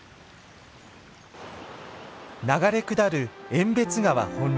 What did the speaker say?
流れ下る遠別川本流。